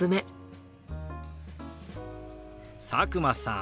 佐久間さん